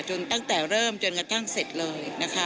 ตั้งแต่เริ่มจนกระทั่งเสร็จเลยนะคะ